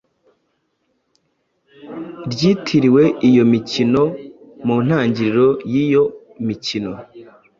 ryitiriwe iyo mikino. Mu ntangiriro y’iyo mikino,